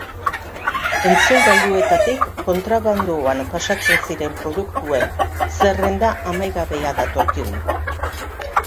Entzungailuetatik kontrabandoan pasatzen ziren produktuen zerrenda amaigabea datorkigu.